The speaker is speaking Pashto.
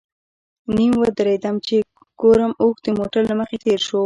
نیم ودرېدم چې ګورم اوښ د موټر له مخې تېر شو.